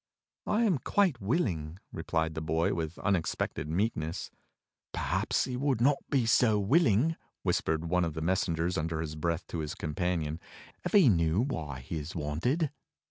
"I am quite willing," replied the boy with unexpected meek ness. "Perhaps he would not be so willing," whispered one of the messengers under his breath to his companion, "if he knew why he is wanted."